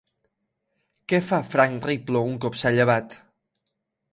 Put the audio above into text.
Què fa Frank Ripploh un cop s'ha llevat?